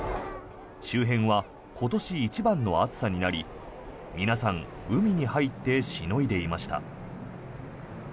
周辺は今年一番の暑さになり皆さん海に入ってしのいでいました。